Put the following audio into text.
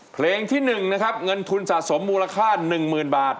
เพลงที่๑นะครับเงินทุนสะสมมูลค่า๑๐๐๐บาท